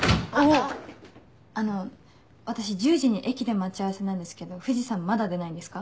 あの私１０時に駅で待ち合わせなんですけど藤さんまだ出ないんですか？